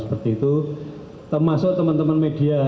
seperti itu termasuk teman teman media